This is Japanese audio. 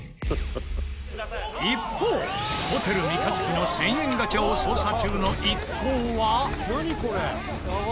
一方ホテル三日月の１０００円ガチャを捜査中の一行は。